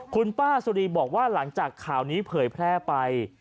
คุณป้าสุรีบอกว่าหลังจากข่าวนี้เผยแพร่ไป